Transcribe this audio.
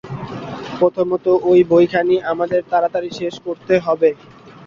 প্রথমত ঐ বইখানি আমাদের তাড়াতাড়ি শেষ করতে হবে।